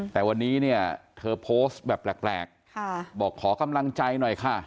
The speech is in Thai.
แต่วันนี้เนี่ยเธอโพสต์แบบแปลกบอกขอกำลังใจหน่อยค่ะ